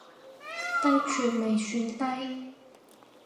低處未算低